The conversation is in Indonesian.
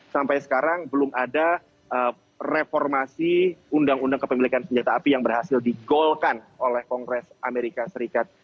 sampai sekarang belum ada reformasi undang undang kepemilikan senjata api yang berhasil digolkan oleh kongres amerika serikat